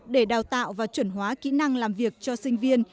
để đào tạo và chuẩn hóa kỹ năng làm việc cho sinh viên